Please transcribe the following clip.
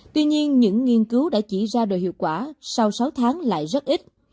tuy nhiên những nghiên cứu đã chỉ ra đồ hiệu quả sau sáu tháng lại rất ít